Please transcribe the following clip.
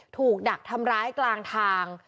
ดักทำร้ายกลางทาง